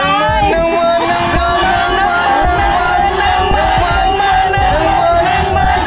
หนึ่งมันหนึ่งมันหนึ่งมันหนึ่งมัน